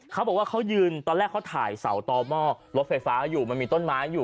เขาบอกว่าเขายืนตอนแรกเขาถ่ายเสาต่อหม้อรถไฟฟ้าอยู่มันมีต้นไม้อยู่